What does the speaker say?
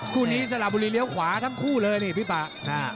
คู่นี้สระบุรีเลี้ยวขวาทั้งคู่เลยนี่พี่ป่า